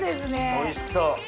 おいしそう。